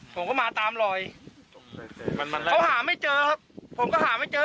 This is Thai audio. ผมก็มาตามรอยมันมาลอยเขาหาไม่เจอครับผมก็หาไม่เจอ